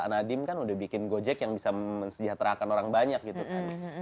nadiem kan udah bikin gojek yang bisa mensejahterakan orang banyak gitu kan